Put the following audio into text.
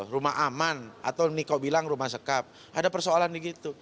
rumah aman atau niko bilang rumah sekap ada persoalan begitu